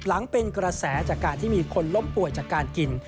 เป็นกระแสจากการที่มีคนล้มป่วยจากการกิน